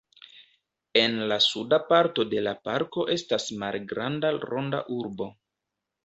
En la suda parto de la parko estas malgranda Ronda Urbo.